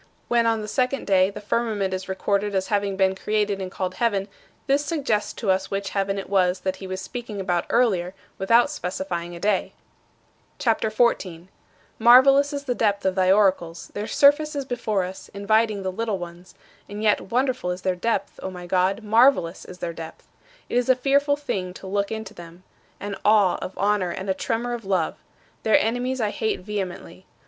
When, on the second day, the firmament is recorded as having been created and called heaven, this suggests to us which heaven it was that he was speaking about earlier, without specifying a day. CHAPTER XIV 17. Marvelous is the depth of thy oracles. Their surface is before us, inviting the little ones; and yet wonderful is their depth, O my God, marvelous is their depth! It is a fearful thing to look into them: an awe of honor and a tremor of love. Their enemies I hate vehemently.